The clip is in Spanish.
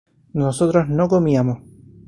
nosotros no comíamos